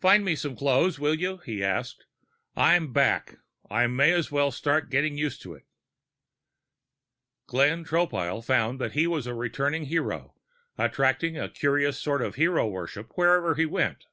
"Find me some clothes, will you?" he asked. "I'm back. I might as well start getting used to it." Glenn Tropile found that he was a returning hero, attracting a curious sort of hero worship wherever he went.